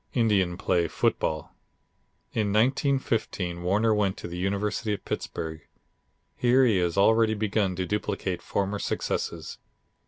Indian play football." In 1915 Warner went to the University of Pittsburgh. Here he has already begun to duplicate former successes.